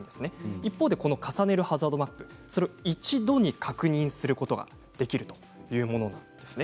一方で「重ねるハザードマップ」はそれを一度に確認することができるんです。